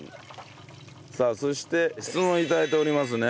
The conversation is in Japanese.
さあそして質問頂いておりますね。